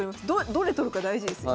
どれ取るか大事ですよ。